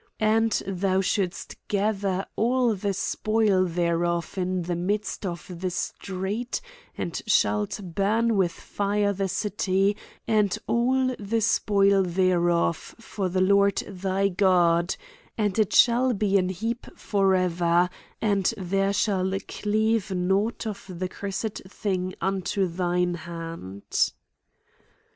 And thou si gather all the spoil thQbof into the midst of the street, and shalt burn with fire the city, and all the spoil there , of, for the Lord thy God ; and it shall be an heap forever ; and there shall cleave nought of the cur sed thing unto thine hand."